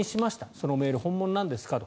そのメールは本物なんですかと。